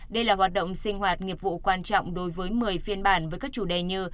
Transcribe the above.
đây là hoạt động sinh hoạt nghiệp vụ quan trọng đối với một mươi phiên bản với các chủ đề như